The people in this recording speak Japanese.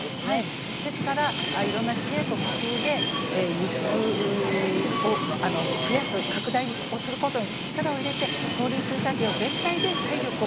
ですからいろんな知恵と工夫で輸出を増やす拡大をすることに力を入れて農林水産業全体で体力をまずつけていく。